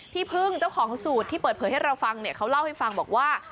พี่พึ่งเจ้าของสูตรที่เปิดเผยให้เราฟังเนี่ยเขาเล่าให้ฟังบอกว่า